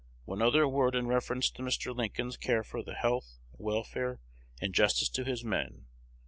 "One other word in reference to Mr. Lincoln's care for the health, welfare, and justice to his men.